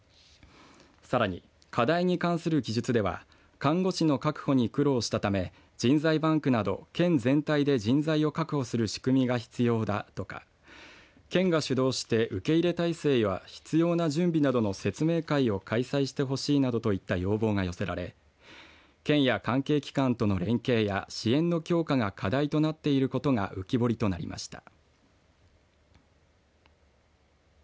さらに課題に関する記述では看護師の確保に苦労したため人材バンクなど県全体で人材を確保する仕組みが必要だとか県が主導して受け入れ体制や必要な準備などの説明会を開催してほしいなどといった要望が寄せられ県や関係機関との連携や支援の強化が課題となっていることが浮き彫りとなりました。